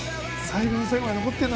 最後の最後まで残ってるんだ